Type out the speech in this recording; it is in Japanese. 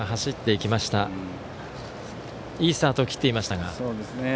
いいスタートを切っていましたが。